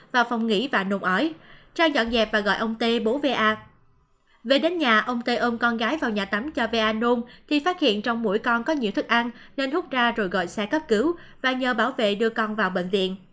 về đến nhà ông tê ôm con gái vào nhà tắm cho va nôn thì phát hiện trong mũi con có nhiều thức ăn nên hút ra rồi gọi xe cấp cứu và nhờ bảo vệ đưa con vào bệnh viện